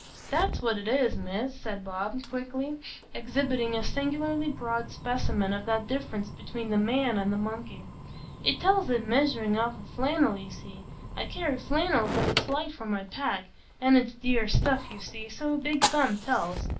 "That's what it is, Miss," said Bob, quickly, exhibiting a singularly broad specimen of that difference between the man and the monkey. "It tells i' measuring out the flannel, you see. I carry flannel, 'cause it's light for my pack, an' it's dear stuff, you see, so a big thumb tells.